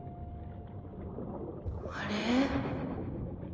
あれ？